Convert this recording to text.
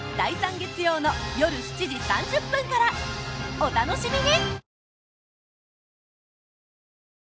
お楽しみに！